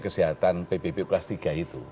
kesehatan pbpu kelas tiga itu